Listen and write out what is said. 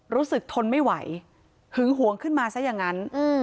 ทนไม่ไหวหึงหวงขึ้นมาซะอย่างนั้น